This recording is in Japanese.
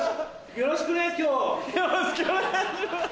よろしくお願いします。